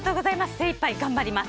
精いっぱい頑張ります。